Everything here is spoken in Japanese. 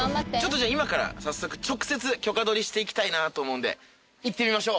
今から早速直接許可取りしていきたいなと思うんで行ってみましょう。